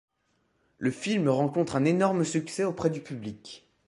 Le film rencontre un énorme succès auprès du public.